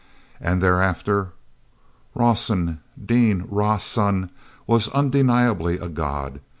And thereafter, Rawson, Dean Rah Sun, was undeniably a god.